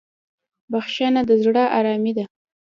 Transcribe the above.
بخښنه د زړه ارامي ده.